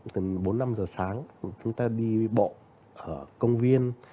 tầm bốn năm giờ sáng chúng ta đi bộ ở công viên